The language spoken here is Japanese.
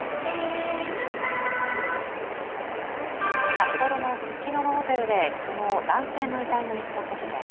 札幌のススキノのホテルで昨日、男性の遺体が見つかった事件。